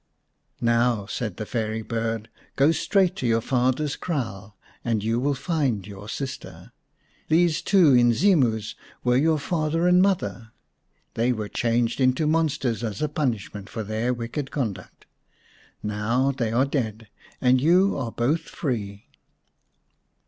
" Now," said the fairy bird, " go straight to your father's kraal, and you will find your sister. These two Inzimus were your father and mother. They were changed into monsters as a punish ment for their wicked conduct. Now they are dead, and you are both free."